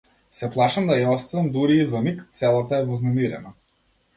Се плашам да ја оставам дури и за миг, целата е вознемирена.